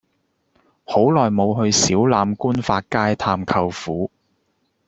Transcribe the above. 好耐無去小欖冠發街探舅父